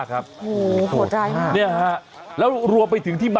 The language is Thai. ขอบคุณครับขอบคุณครับ